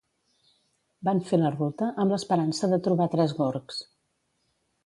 van fer la ruta amb l'esperança de trobar tres gorgs